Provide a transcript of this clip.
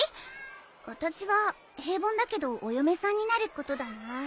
私は平凡だけどお嫁さんになることだな。